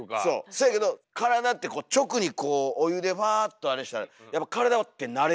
そうやけど体って直にこうお湯でファっとあれしたらやっぱ体って慣れるんです。